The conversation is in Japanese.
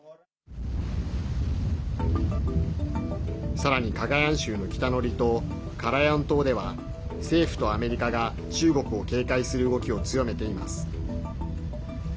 さらに、カガヤン州の北の離島カラヤン島では政府とアメリカが、中国を警戒する動きを強めています。